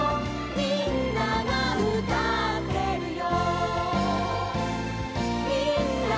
「みんながうたってるよ」